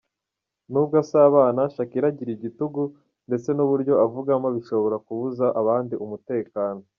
Nubwo asabana, Shakilah agira igitugu ndetse n’uburyo avugamo bishobora kubuza abandi umutekano.